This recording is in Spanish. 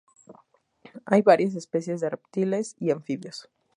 Hay varias especies de reptiles y anfibios.